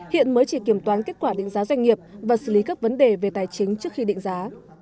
hiện mới chỉ kiểm toán kết quả định giá doanh nghiệp và xử lý các vấn đề về tài chính trước khi định giá